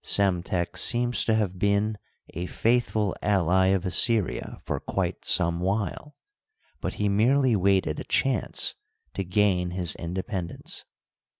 Psemtek seems to have been a faithful ally of Assyria for quite some while, but he merely waited a chance to ^ain his independence.